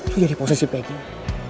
lo jadi posisif kayak gini